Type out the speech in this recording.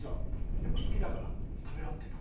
やっぱ好きだから食べ終わってた。